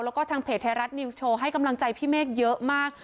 แล้วก็ทางเพจไทยรัฐนิวส์โชว์ให้กำลังใจพี่เมฆเยอะมาก